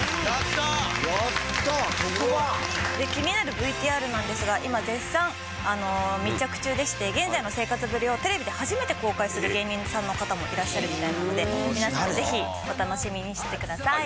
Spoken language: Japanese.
気になるＶＴＲなんですが今絶賛密着中でして現在の生活ぶりをテレビで初めて公開する芸人さんの方もいらっしゃるみたいなので皆さんぜひお楽しみにしててください。